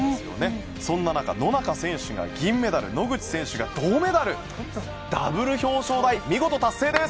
そんな中野中選手が銀メダル野口選手が銅メダルダブル表彰台、見事達成です！